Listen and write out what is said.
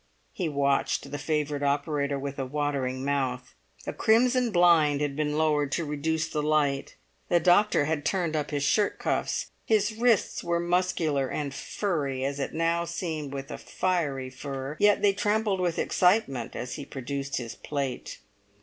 He watched the favoured operator with a watering mouth. A crimson blind had been lowered to reduce the light; the doctor had turned up his shirt cuffs; his wrists were muscular and furry, as it now seemed with a fiery fur, yet they trembled with excitement as he produced his plate.